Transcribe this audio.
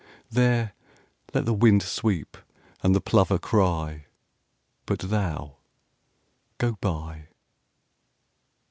There let the wind sweep and the plover cry; But thou, go by.